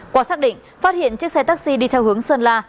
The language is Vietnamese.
qua xác định phát hiện chiếc xe taxi đi theo hướng sơn la